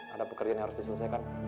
ada pekerjaan yang harus diselesaikan